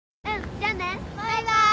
じゃあね。バイバイ。